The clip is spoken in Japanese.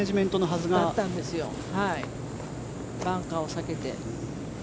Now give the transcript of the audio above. バンカーを避けて。